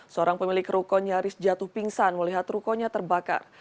seorang pemilik rukun nyaris jatuh pingsan melihat rukunnya terbakar